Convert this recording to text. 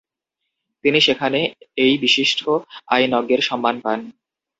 তিনি সেখানে এই বিশিষ্ট আইনজ্ঞের সম্মান পান।